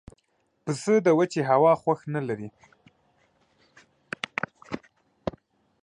پسه د وچې هوا خوښ نه لري.